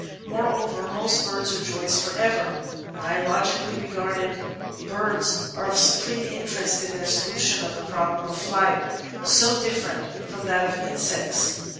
Moreover, most birds are joys for ever. Biologically regarded, birds are of supreme interest in their solution of the problem of flight — so different from that of insects.